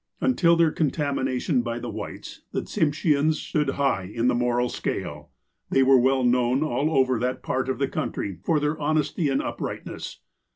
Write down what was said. Until their contamination by the Whites, the Tsimsheans stood high in the moral scale. They were well known all over that part of the country for their honesty and uprightness.